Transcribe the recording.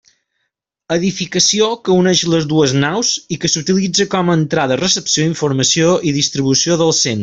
Edificació que uneix les dues naus i que s'utilitza com a entrada-recepció, informació i distribució del centre.